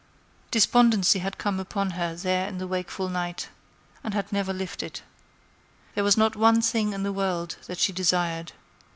Despondency had come upon her there in the wakeful night, and had never lifted. There was no one thing in the world that she desired.